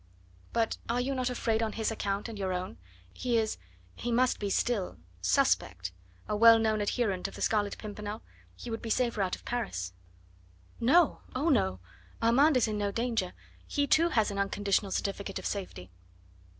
"But are you not afraid on his account and your own? He is he must be still 'suspect'; a well known adherent of the Scarlet Pimpernel, he would be safer out of Paris." "No! oh, no! Armand is in no danger. He, too, has an unconditional certificate of safety."